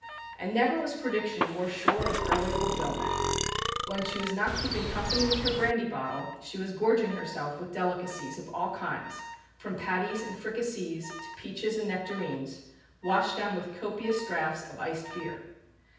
And never was prediction more sure of early fulfilment. When she was not keeping company with her brandy bottle, she was gorging herself with delicacies of all kinds, from patties and fricassées to peaches and nectarines, washed down with copious draughts of iced beer.